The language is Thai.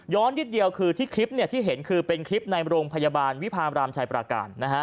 นิดเดียวคือที่คลิปที่เห็นคือเป็นคลิปในโรงพยาบาลวิพามรามชายปราการ